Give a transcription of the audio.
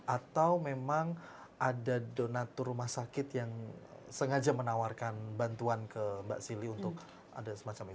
atau memang ada donatur rumah sakit yang sengaja menawarkan bantuan ke mbak sili untuk ada semacam itu